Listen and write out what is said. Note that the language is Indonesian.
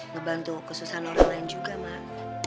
ngebantu kesusahan orang lain juga mah